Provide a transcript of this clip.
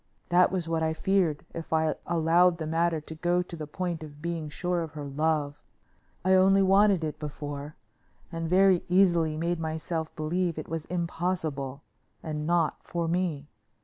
That was what I feared if I allowed the matter to go to the point of being sure of her love. I only wanted it before, and very easily made myself believe it was impossible, and not for me.